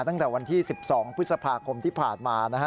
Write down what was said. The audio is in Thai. ตั้งแต่วันที่๑๒พฤษภาคมที่ผ่านมานะฮะ